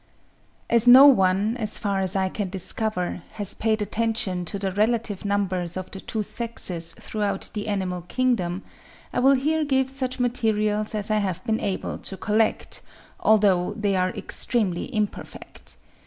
As no one, as far as I can discover, has paid attention to the relative numbers of the two sexes throughout the animal kingdom, I will here give such materials as I have been able to collect, although they are extremely imperfect.